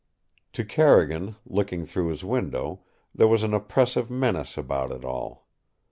To Carrigan, looking through his window, there was an oppressive menace about it all.